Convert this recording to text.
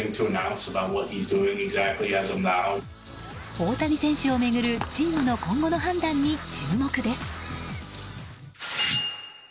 大谷選手を巡るチームの今後の判断に注目です。